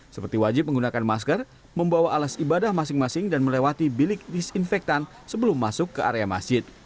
seperti wajib menggunakan masker membawa alas ibadah masing masing dan melewati bilik disinfektan sebelum masuk ke area masjid